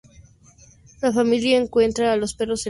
La familia encuentra a los perros en el pueblo.